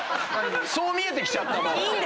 そう見えてきちゃったもう。